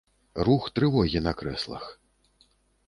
Рух трывогі на крэслах.